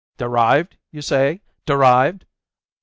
"Derived, you say, derived?